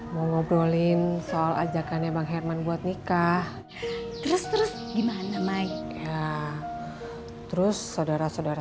mau ngobrolin soal ajakannya bang herman buat nikah terus terus gimana mike terus saudara saudara